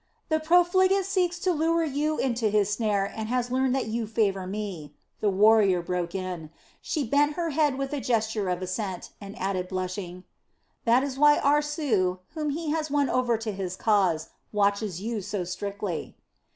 "The profligate seeks to lure you into his snare and has learned that you favor me," the warrior broke in. She bent her head with a gesture of assent, and added blushing: "That is why Aarsu, whom he has won over to his cause, watches you so strictly."